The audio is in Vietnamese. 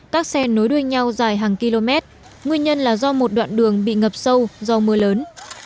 các xe nối đuôi nhau dài hàng km nguyên nhân là do một đoạn đường bị ngập sâu do mưa lớn